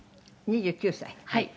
はい。